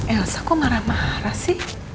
elsa kok marah marah sih